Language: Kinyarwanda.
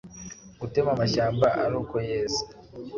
Gutema amashyamba ari uko yeze